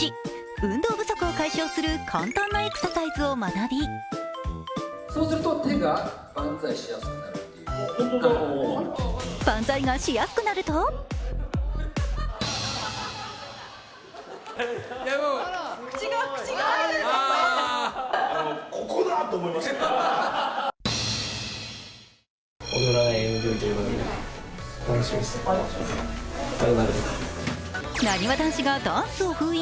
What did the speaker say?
運動不足を解消する簡単なエクササイズを学び万歳がしやすくなるとなにわ男子がダンスを封印。